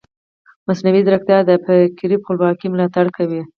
مصنوعي ځیرکتیا د فکري خپلواکۍ ملاتړ کوي.